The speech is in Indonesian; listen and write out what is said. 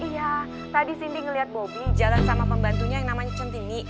iya tadi cindy ngeliat bobby jalan sama pembantunya yang namanya centini